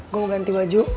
gue mau ganti baju